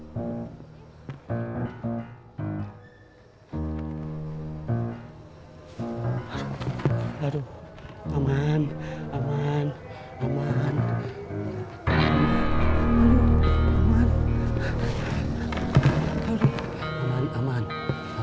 sampai jumpa di video selanjutnya